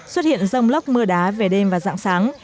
xuất hiện rông lóc mưa đá về đêm và dạng sáng